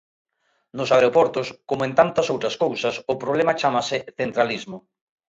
Nos aeroportos, como en tantas outras cousas, o problema chámase centralismo.